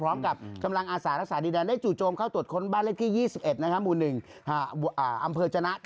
ร้องกับจำลังอาศาลักษณะดินาที่จู่โจมเข้าตรวจค้นบ้านเล็กที่๒๑หมู่๑อำเภร์จะนะ